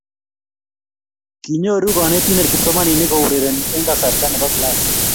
Kinyoru konetinte kipsomaninik kourereni eng kasarta ne bo klas.